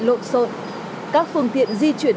lộn sộn các phương tiện di chuyển